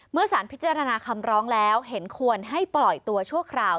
สารพิจารณาคำร้องแล้วเห็นควรให้ปล่อยตัวชั่วคราว